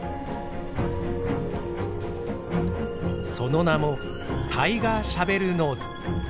その名もタイガーシャベルノーズ。